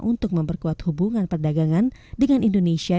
untuk memperkuat hubungan perdagangan dengan indonesia